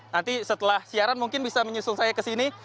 nanti setelah siaran mungkin bisa menyusul saya kesini